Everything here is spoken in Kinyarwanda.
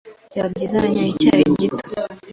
Byaba byiza nanyoye icyayi gito?